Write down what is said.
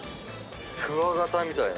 クワガタみたいな。